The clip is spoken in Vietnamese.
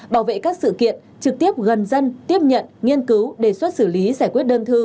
bảo vệ các sự kiện trực tiếp gần dân tiếp nhận nghiên cứu đề xuất xử lý giải quyết đơn thư